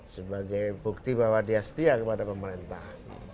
sebagai bukti bahwa dia setia kepada pemerintah